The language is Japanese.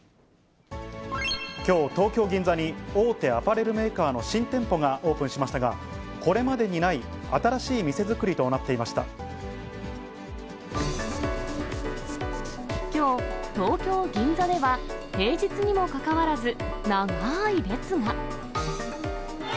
きょう、東京・銀座に大手アパレルメーカーの新店舗がオープンしましたが、これまでにない、きょう、東京・銀座では、平日にもかかわらず、長ーい列が。